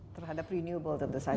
terhadap renewable tentu saja